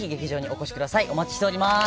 お待ちしております